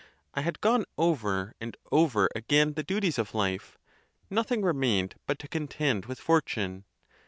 I had gone over and over again the duties of life; nothing remained but to contend with fortune.